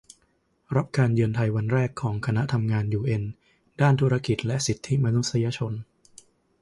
รับการเยือนไทยวันแรกของคณะทำงานยูเอ็นด้านธุรกิจและสิทธิมนุษยชน